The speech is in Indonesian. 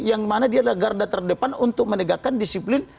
yang mana dia adalah garda terdepan untuk menegakkan disiplin